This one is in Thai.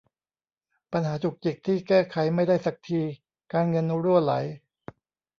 ปัญหาจุกจิกที่แก้ไขไม่ได้สักที การเงินรั่วไหล